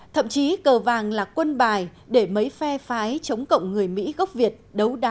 thậm chí cờ vàng là quân bài để mấy phe phái chống cộng người mỹ gốc việt đấu đá